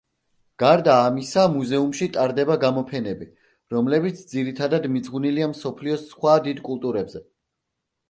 გარდა ამისა, მუზეუმში ტარდება გამოფენები, რომლებიც ძირითადად მიძღვნილია მსოფლიოს სხვა დიდ კულტურებზე.